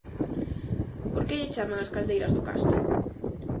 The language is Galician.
Por que lle chaman as Caldeiras do Castro?